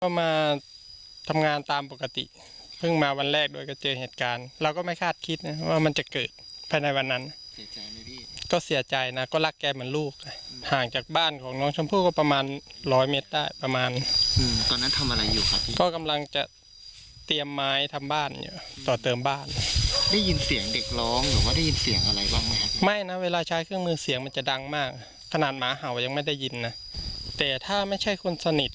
ก็มาทำงานตามปกติเพิ่งมาวันแรกโดยเจอเหตุการณ์เราก็ไม่คาดคิดนะว่ามันจะเกิดภายในวันนั้นก็เสียใจนะก็รักแกเหมือนลูกห่างจากบ้านของน้องชมพูก็ประมาณร้อยเมตรได้ประมาณตอนนั้นทำอะไรอยู่ก็กำลังจะเตรียมไม้ทำบ้านต่อเติมบ้านได้ยินเสียงเด็กร้องหรือว่าได้ยินเสียงอะไรบ้างไม่นะเวลาใช้เครื่องมือเสียงมัน